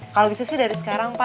kalau bisa sih dari sekarang pak